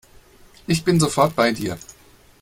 Ich bin sofort bei dir.